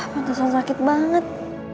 bantesan sakit banget